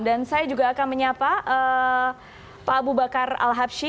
dan saya juga akan menyapa pak abu bakar al habsyi